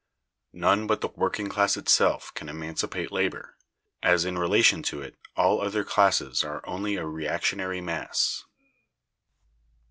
None but the working class itself can emancipate labor, as in relation to it all other classes are only a reactionary mass.